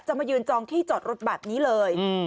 มายืนจองที่จอดรถแบบนี้เลย